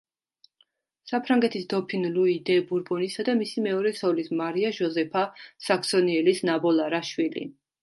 საფრანგეთის დოფინ ლუი დე ბურბონისა და მისი მეორე ცოლის, მარია ჟოზეფა საქსონიელის ნაბოლარა შვილი.